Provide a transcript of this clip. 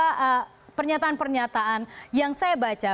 ada pernyataan pernyataan yang saya baca